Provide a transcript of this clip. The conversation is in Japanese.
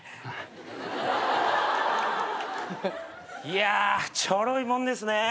いやちょろいもんですね。